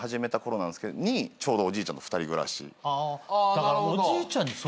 だから。